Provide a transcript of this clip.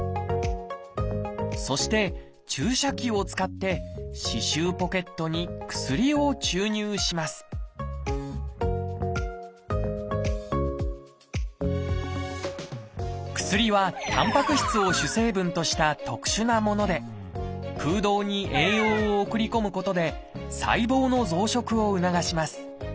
そして注射器を使って歯周ポケットに薬を注入します薬はタンパク質を主成分とした特殊なもので空洞に栄養を送り込むことで細胞の増殖を促します。